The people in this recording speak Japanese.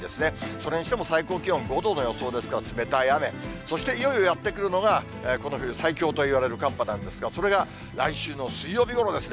それにしても最高気温５度の予想ですから、冷たい雨、そしていよいよやって来るのがこの冬最強といわれる寒波なんですが、それが来週の水曜日ごろですね。